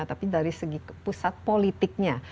tapi dari segi pusat politiknya